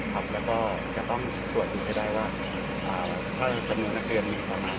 ครับแล้วก็จะต้องสวดเจนให้ได้ว่าอ่าเข้าจำเงินนักเดียมมีของห้าคน